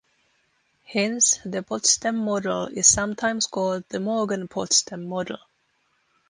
Hence, the Potsdam Model is sometimes called the Morgan-Potsdam Model.